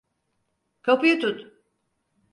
Kapıyı tut!